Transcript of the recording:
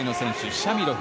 シャミロフ